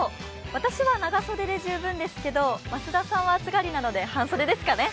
私は長袖で十分ですけど、増田さんは暑がりなので半袖ですかね？